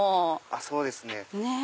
そうですね。